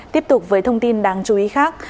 tiếp tục với thông tin đáng chú ý khác